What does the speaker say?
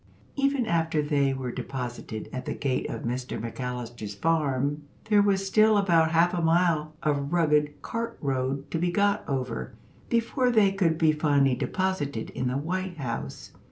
Even after they were deposited at the gate of Mr McAllister's farm, there was still about half a mile of rugged cart road to be got over before they could be finally deposited in the White House.